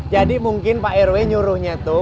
jadi mungkin pak rw nyuruhnya tuh